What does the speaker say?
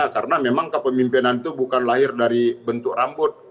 karena memang kepemimpinan itu bukan lahir dari bentuk rambut